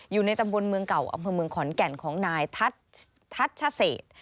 อยู่ในตำบลเมืองเก่าอำเภอเมืองขอนแก่นของนายทัชเศษ